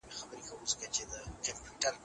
ستونزې د کار په وخت خنډ دی.